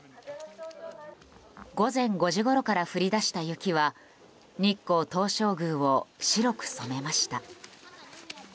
午前５時ごろから降りだした雪は日光東照宮を白く染めました。